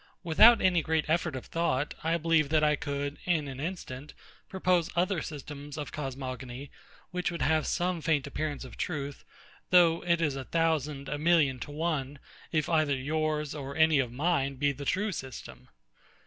Without any great effort of thought, I believe that I could, in an instant, propose other systems of cosmogony, which would have some faint appearance of truth, though it is a thousand, a million to one, if either yours or any one of mine be the true system.